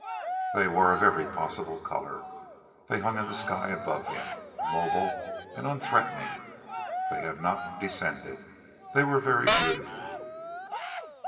They were of every possible color. They hung in the sky above him, immobile and unthreatening. They had not descended. They were very beautiful.